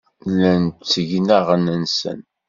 Llan ttgen aɣan-nsen.